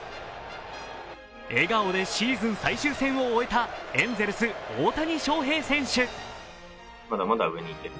笑顔でシーズン最終戦を終えたエンゼルス・大谷翔平選手。